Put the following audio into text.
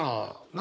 何？